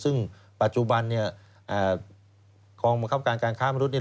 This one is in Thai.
ซึ่งปัจจุบันเนี่ยความความความความการค้ามนุษย์เนี่ย